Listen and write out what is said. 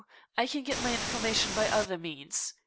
I can get my information by other means.